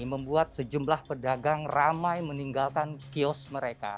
membuat sejumlah pedagang ramai meninggalkan kios mereka